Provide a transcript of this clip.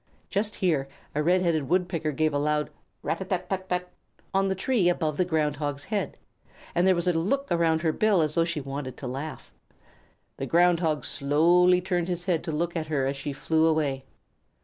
Just here, a Red headed Woodpecker gave a loud "Rat a tat tat" on the tree above the Ground Hog's head, and there was a look around her bill as though she wanted to laugh. The Ground Hog slowly turned his head to look at her as she flew away.